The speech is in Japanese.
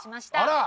あら！